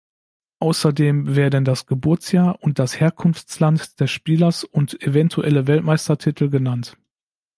Außerdem werden das Geburtsjahr und das Herkunftsland des Spielers und eventuelle Weltmeistertitel genannt.